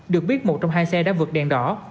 được biết một trong hai xe đã vượt đèn đỏ